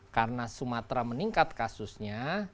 karena sumatra meningkat kasusnya